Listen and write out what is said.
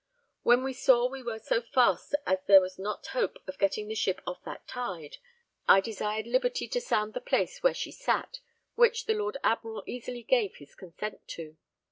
When we saw we were so fast as there was not hope of getting the ship off that tide, I desired liberty to sound the place where she sat, which the Lord Admiral easily gave his consent to do.